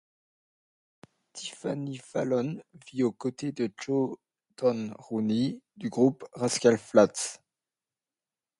Tiffany Fallon vit aux côtés de Joe Don Rooney du groupe Rascal Flatts.